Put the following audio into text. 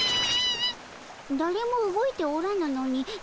だれも動いておらぬのになぜじゃ。